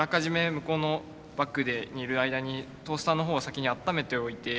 向こうのバックにいる間にトースターの方を先にあっためておいて。